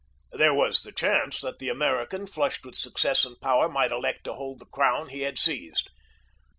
There was the chance that the American, flushed with success and power, might elect to hold the crown he had seized.